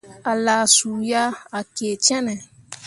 A laa su ah, a kii cenne.